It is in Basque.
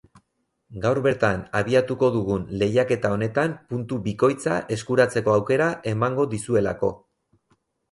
Gaur bertan abiatuko dugun lehiaketa honetan puntu bikoitza eskuratzeko aukera emango dizuelako.